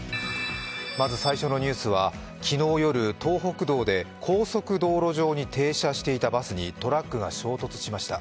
まず最初のニュースは昨日の夜、東北道で高速道路上に停車していたバスにトラックが衝突しました。